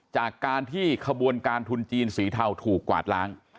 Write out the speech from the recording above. จากการที่ขบวนการทุนจีนสีเทาถูกกวาดล้าง